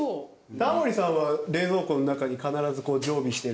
タモリさんは冷蔵庫の中に必ず常備してる食材。